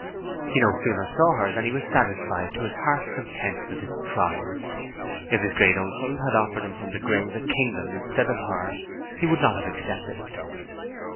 He no sooner saw her than he was satisfied to his heart's content with his prize. If his great uncle had offered him from the grave a kingdom instead of her, he would not have accepted it.